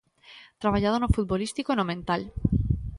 Traballado no futbolístico e no mental.